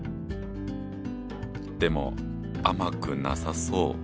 でも甘くなさそう。